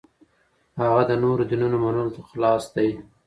هغه د نورو دینونو منلو ته خلاص دی.